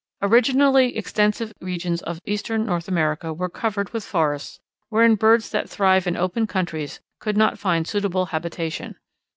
Originally extensive regions of eastern North America were covered with forests wherein birds that thrive in open countries could not find suitable habitation.